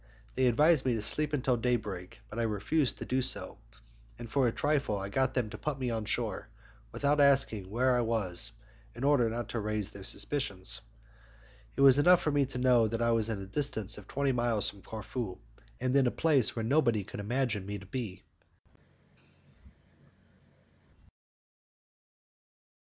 They advised me to sleep until day break, but I refused to do so, and for a trifle I got them to put me on shore, without asking where I was, in order not to raise their suspicions. It was enough for me to know that I was at a distance of twenty miles from Corfu, and in a place where nobody could imagine me to be.